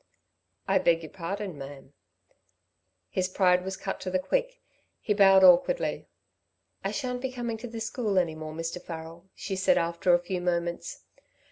"I beg your pardon, ma'am." His pride was cut to the quick; he bowed, awkwardly. "I shan't be coming to the school any more, Mr. Farrel," she said after a few moments.